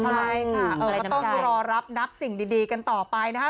ใช่ค่ะก็ต้องรอรับนับสิ่งดีกันต่อไปนะคะ